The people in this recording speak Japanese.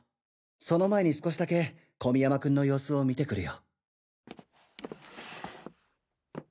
その前に少しだけ込山君の様子を見てくるよ。